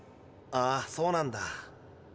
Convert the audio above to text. ああそうなんだ。